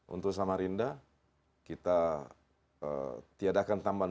untuk samarinda kita tiadakan tambahan dua puluh